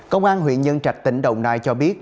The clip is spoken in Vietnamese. công an huyện nhân trạch tỉnh đồng nai cho biết